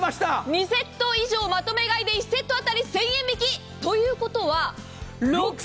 ２セット以上まとめ買いで１セット当たり１０００円引き。